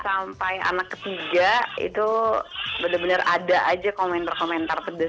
sampai anak ketiga itu benar benar ada saja komentar komentar pedes ya